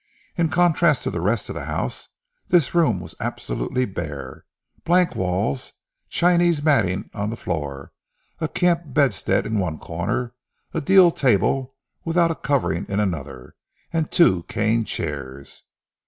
In contrast to the rest of the house, this room was absolutely bare. Blank walls, Chinese matting on the floor, a camp bedstead in one corner, a deal table without a covering in another, and two cane chairs.